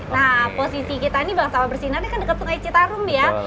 nah posisi kita ini bang sawah bersinar ini kan dekat sungai citarum ya